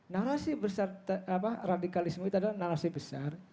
narasi besar radikalisme itu adalah narasi besar